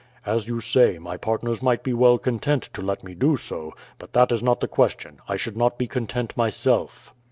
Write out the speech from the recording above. As you say, my partners might be well content to let me do so; but that is not the question, I should not be content myself.